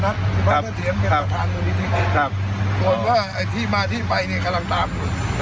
ครับครับครับครับครับครับส่วนว่าไอ้ที่มาที่ไปเนี้ยกำลังตามอยู่